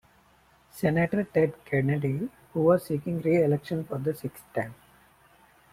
Senator Ted Kennedy, who was seeking re-election for the sixth time.